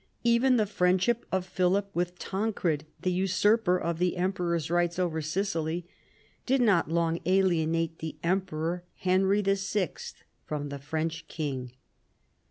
Even the friendship of Philip with Tancred, the usurper of the emperor's rights over Sicily, did not long alienate the Emperor Henry VI. from, the French king.